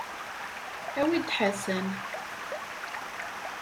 Awi-d Ḥasan.